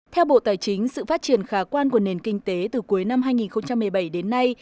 theo bộ tài chính sự phát triển khả quan của nền kinh tế từ cuối năm hai nghìn một mươi bảy đến nay